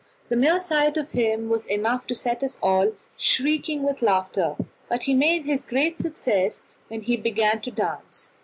The mere sight of him was enough to set us all shrieking with laughter, but he made his great success when he began to dance.